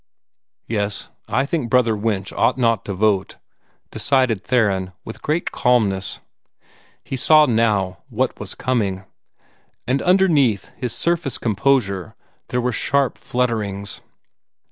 "Yes, I think Brother Winch ought not to vote," decided Theron, with great calmness. He saw now what was coming, and underneath his surface composure there were sharp flutterings.